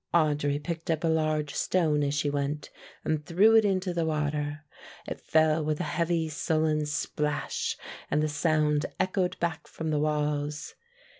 Audry picked up a large stone as she went, and threw it into the water; it fell with a heavy sullen splash and the sound echoed back from the walls.